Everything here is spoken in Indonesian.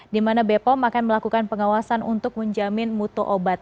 di mana bepom akan melakukan pengawasan untuk menjamin mutu obat